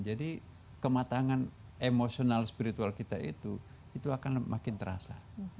jadi kematangan emosional spiritual kita itu itu akan makin terasa